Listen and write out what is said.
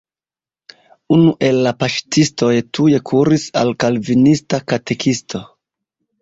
Unu el la paŝtistoj tuj kuris al kalvinista katekisto.